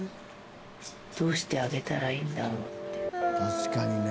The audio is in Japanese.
確かにね。